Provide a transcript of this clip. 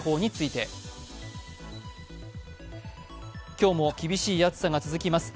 今日も厳しい暑さが続きます。